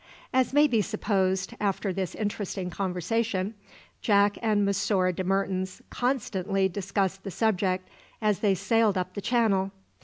As may be supposed, after this interesting conversation, Jack and Monsieur de Mertens constantly discussed the subject as they sailed up the Channel.